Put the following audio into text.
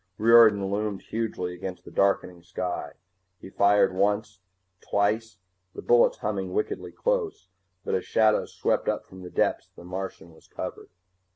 Riordan loomed hugely against the darkening sky. He fired, once, twice, the bullets humming wickedly close, but as shadows swept up from the depths the Martian was covered.